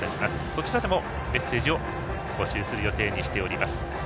そちらでもメッセージを募集する予定にしています。